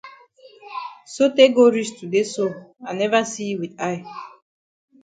Sotay go reach today so I never see yi with eye.